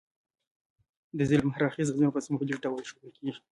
د ظلم هر اړخیز انځور په سمبولیک ډول ښودل کیږي.